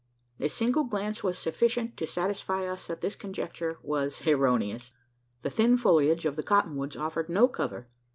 A single glance was sufficient to satisfy us that this conjecture was erroneous. The thin foliage of the cotton woods offered no cover.